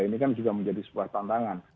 ini kan juga menjadi sebuah tantangan